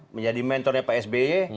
menjadi mentornya pak sby